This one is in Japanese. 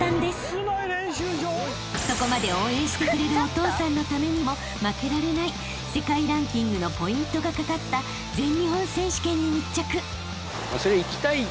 ［そこまで応援してくれるお父さんのためにも負けられない世界ランキングのポイントが懸かった全日本選手権に密着］